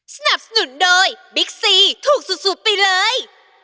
สนับสนุนโดยบิ๊กซีถูกสุดไปเลย